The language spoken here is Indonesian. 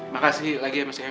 makasih lagi ya mas ya